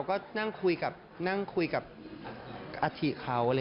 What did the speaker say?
ก็นั่งคุยกับอาธิเหรียะเขา